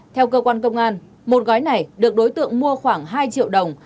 theo cơ quan công an một gói này được đối tượng mua khoảng hai triệu đồng